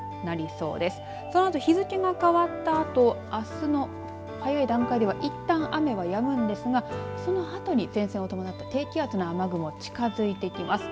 そのあと日付が変わったあとあすの早い段階ではいったん大雨はやむんですがそのあとに前線を伴った低気圧の雨雲が近づいてきます。